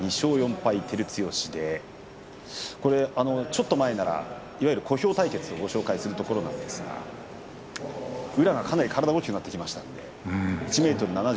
ちょっと前ならいわゆる小兵対決とご紹介するところなんですが宇良の体がかなり大きくなってきました。